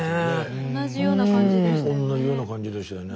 同じような感じでしたよね。